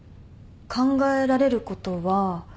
考えられることは。